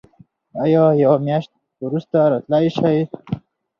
ایا یوه میاشت وروسته راتلی شئ؟